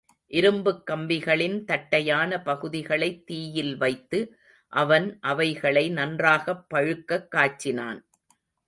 இரும்புக் கம்பிகளின் தட்டையான பகுதிகளைத் தீயில் வைத்து, அவன் அவைகளை நன்றாகப் பழுக்கக் காய்ச்சினான்.